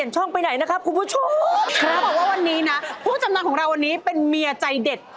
ตอนนี้นะผู้จำนำของเราวันนี้เป็นเมียใจเด็ด